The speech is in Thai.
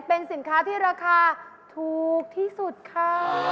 เป็นสินค้าที่ราคาถูกที่สุดค่ะ